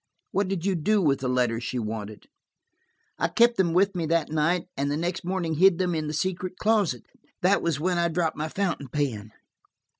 "What did you do with the letters she wanted?" "I kept them with me that night, and the next morning hid them in the secret closet. That was when I dropped my fountain pen!"